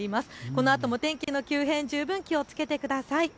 このあとも天気の急変十分気をつけください。